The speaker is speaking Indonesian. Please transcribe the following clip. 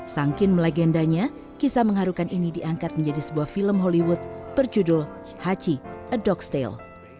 sangkin melegendanya kisah mengharukan ini diangkat menjadi sebuah film hollywood berjudul hachi a dog's tale